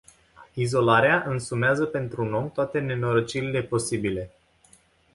Izolarea însumează pentru un om toate nenorocirile posibile.